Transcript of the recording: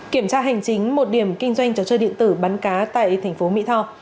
kiểm tra hành chính một điểm kinh doanh trò chơi điện tử bắn cá tại tp mỹ tho